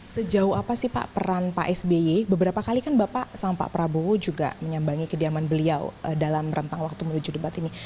sejauh apa sih pak peran pak sby beberapa kali kan bapak sama pak prabowo juga menyambangi kediaman beliau dalam rentang waktu menuju debat ini